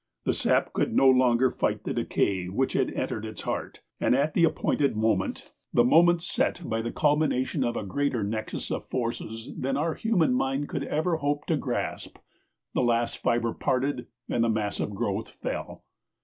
The sap could no longer fight the decay which had entered its heart; and at the appointed moment, the moment set by the culmination of a greater nexus of forces than our human mind could ever hope to grasp, the last fibre parted and the massive growth fell.